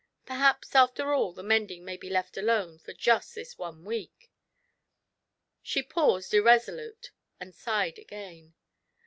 Perhaps, after all, the mending may be left alone for just this one week." She paused irreso lute, and sighed again.